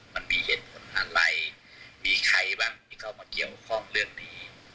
มันมีเหตุผลอะไรมีใครบ้างที่เข้ามาเกี่ยวข้องเรื่องนี้